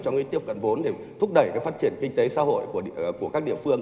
trong cái tiếp cận vốn để thúc đẩy cái phát triển kinh tế xã hội của các địa phương